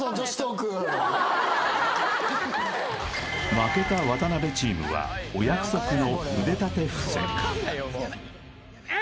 負けた渡辺チームはお約束の腕立て伏せヤバい１！